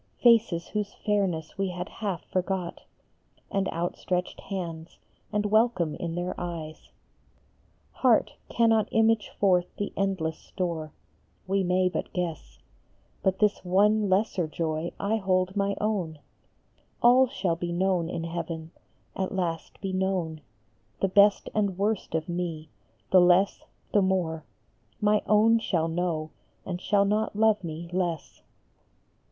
69 Faces whose fairness we had half forgot, And outstretched hands, and welcome in their eyes ; Heart cannot image forth the endless store We may but guess ; But this one lesser joy I hold my own : All shall be known in heaven ; at last be known The best and worst of me ; the less, the more, My own shall know and shall not love me less.